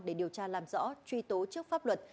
để điều tra làm rõ truy tố trước pháp luật